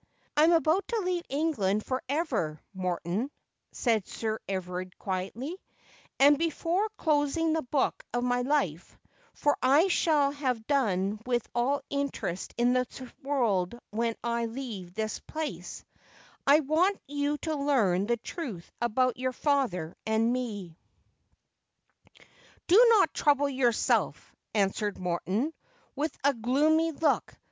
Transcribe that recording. ' I am about to leave England for ever, Morton,' said Sir E verard quietly, ' and before closing the book of my life — for I shall have done with all interest in this world when I leave this place — I want you to learn the truth about your father and me.' ' Do not trouble yourself,' answered Morton, with a gloomy look.